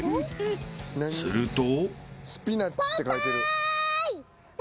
［すると］